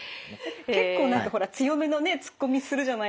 結構何かほら強めのねつっこみするじゃないですか。